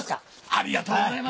ありがとうございます。